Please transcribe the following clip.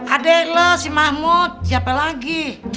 adek lo si mahmud siapa lagi